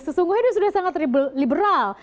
sesungguhnya dia sudah sangat liberal